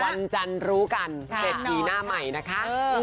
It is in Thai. วันจันทร์รู้กันเศรษฐีหน้าใหม่นะคะ